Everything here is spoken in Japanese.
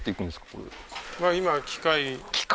これ今機械機械？